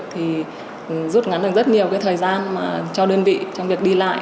thì rút ngắn được rất nhiều cái thời gian mà cho đơn vị trong việc đi lại